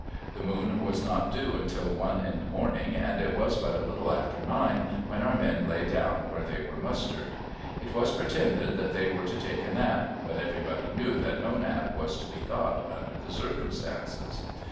The moon was not due until one in the morning, and it was but a little after nine when our men lay down where they were mustered. It was pretended that they were to take a nap, but everybody knew that no nap was to be got under the circumstances.